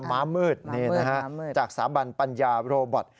มามือดนะฮะจากสถาบันปัญญาโรบอท